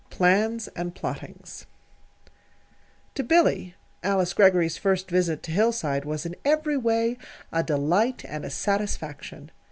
PLANS AND PLOTTINGS To Billy, Alice Greggory's first visit to Hillside was in every way a delight and a satisfaction.